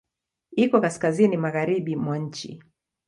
Iko kaskazini magharibi mwa nchi.